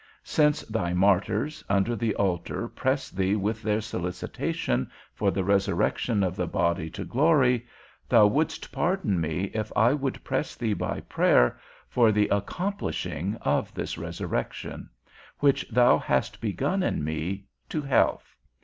Since thy martyrs under the altar press thee with their solicitation for the resurrection of the body to glory, thou wouldst pardon me, if I should press thee by prayer for the accomplishing of this resurrection, which thou hast begun in me, to health.